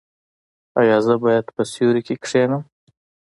ایا زه باید په سیوري کې کینم؟